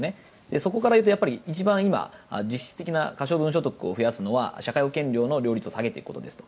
そこから一番今、実質的な可処分所得を増やすのは社会保険料の両立を下げていくことですと。